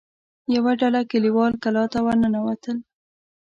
يوه ډله کليوال کلا ته ور ننوتل.